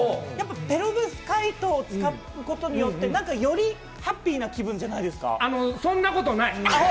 ペロブスカイトを使うことによって、よりハッピーな気分じゃないですか？